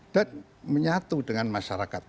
dan menyatu dengan masyarakat